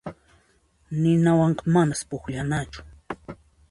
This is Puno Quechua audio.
Ninawanqa manas pukllanachu.